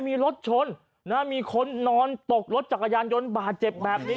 มีรถชนมีคนนอนตกรถจักรยานยนต์บาดเจ็บแบบนี้